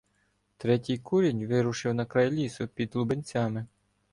Третій курінь вирушив на край лісу під Лубенцями.